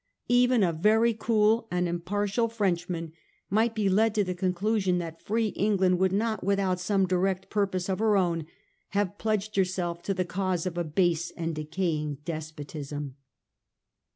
Even a very cool and impartial Frenchman might be led to the conclusion that free England would not without some ■ direct purpose of her own have pledged herself to the cause of a base and a decaying despotism.